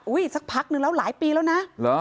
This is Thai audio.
สักพักนึงแล้วหลายปีแล้วนะ